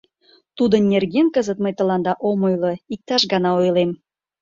Тудын нерген кызыт мый тыланда ом ойло, иктаж гана ойлем.